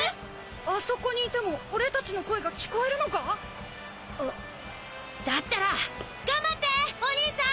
あそこにいても俺たちの声が聞こえるのか⁉だったら頑張っておにいさん！